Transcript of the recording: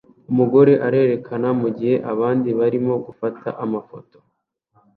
Umugore arerekana mugihe abandi barimo gufata amafoto